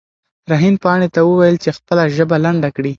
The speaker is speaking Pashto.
رحیم پاڼې ته وویل چې خپله ژبه لنډه کړي.